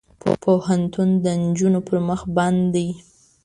پوهنتون د نجونو پر مخ بند دی.